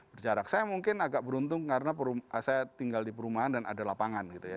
berjarak saya mungkin agak beruntung karena saya tinggal di perumahan dan ada lapangan gitu ya